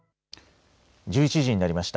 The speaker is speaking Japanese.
１１時になりました。